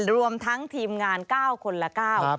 รวมทั้งทีมงาน๙คนละ๙